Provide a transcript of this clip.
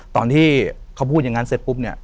ตอนที่เขาพูดอย่างนั้นเสร็จปุ๊บเนี่ย